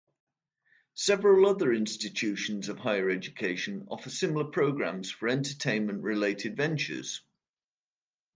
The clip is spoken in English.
Several other institutions of higher education offer similar programs for entertainment related ventures.